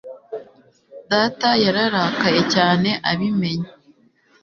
Data yararakaye cyane abimenye